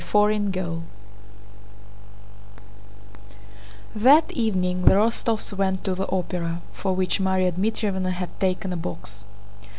CHAPTER VIII That evening the Rostóvs went to the Opera, for which Márya Dmítrievna had taken a box.